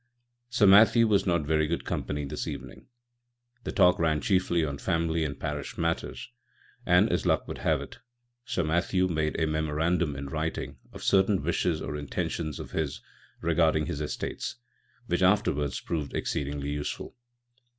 Sir Matthew was not very good company. this evening. The talk ran chiefly on family and parish matters, and, as luck would have it, Sir Matthew made a memorandum in writing of certain wishes or intentions of his regarding his estates; which afterwards proved exceedingly useful.